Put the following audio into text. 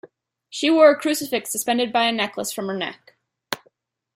She wore a crucifix suspended by a necklace from her neck.